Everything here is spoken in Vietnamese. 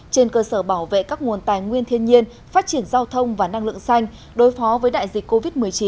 trên cơ sở bảo vệ các nguồn tài nguyên thiên nhiên phát triển giao thông và năng lượng xanh đối phó với đại dịch covid một mươi chín